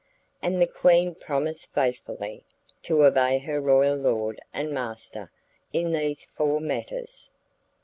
And the Queen promised faithfully to obey her royal lord and master in these four matters.